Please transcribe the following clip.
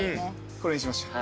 これにしました。